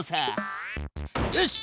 よし！